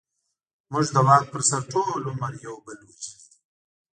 موږ د واک پر سر ټول عمر يو بل وژلې دي.